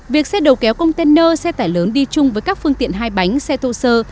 việc xe đầu kéo container xe tải lớn đi chung với các phương tiện hai bánh xe thô sơ